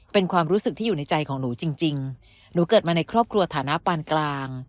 เป็นความรู้สึกที่อยู่ในใจของหนูจริงหนูเกิดมาในครอบครัวฐานะปานกลาง